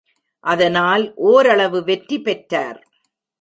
அதனால் ஒரளவு வெற்றி பெற்றார்.